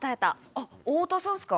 「あっ太田さんっすか？